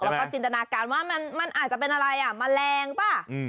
แล้วก็จินตนาการว่ามันอาจจะเป็นอะไรอ่ะแมลงป่ะ